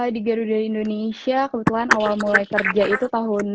di garuda indonesia kebetulan awal mulai kerja itu tahun dua ribu